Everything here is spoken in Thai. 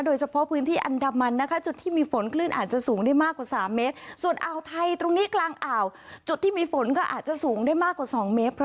โดยเฉพาะพื้นที่อันด้ำมันจุดที่มีฝนคลื่นอาจจะสูงได้มากกว่า๓เมตร